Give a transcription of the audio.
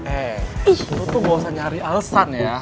eh gue tuh gak usah nyari alesan ya